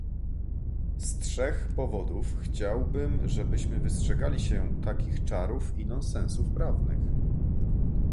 Z trzech powodów chciałbym, żebyśmy wystrzegali się takich czarów i nonsensów prawnych